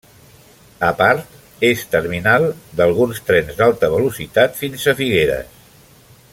A part, és terminal d'alguns trens d'alta velocitat fins a Figueres.